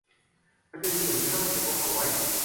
มันจะดีกว่านี้ถ้าไม่เก็บพวกเขาไว้